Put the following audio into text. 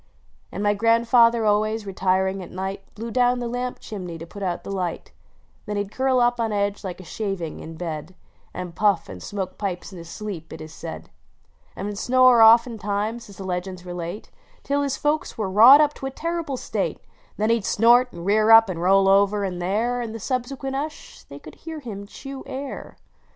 " And my grandfather always, retiring at night, P>lew down the lamp chimney to put out the light; " Then he d curl up on edge like a shaving, in bod, And puff and smoke pipes in his sloe]), it is said: " And would snore oftentimes, as the legends relate, Till his folks were wrought up to a terrible state, Then he d snort, and rear up, and roll over: and there, In the subsequent hush they could hear him chew air.